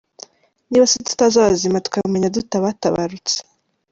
Niba se tutazi abazima, twamenya dute abatabarutse?